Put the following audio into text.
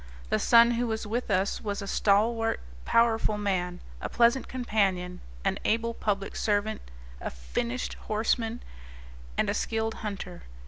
The son who was with us was a stalwart, powerful man, a pleasant companion, an able public servant, a finished horseman, and a skilled hunter.